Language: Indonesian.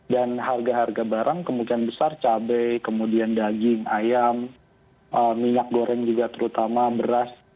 dan harga harga barang kemungkinan besar cabai kemudian daging ayam minyak goreng juga terutama beras